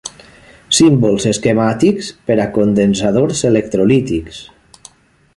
Símbols esquemàtics per a condensadors electrolítics.